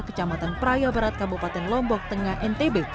kecamatan prayo berat kabupaten lombok tengah ntb